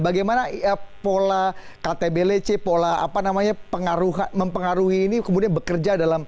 bagaimana pola ktblc pola apa namanya mempengaruhi ini kemudian bekerja dalam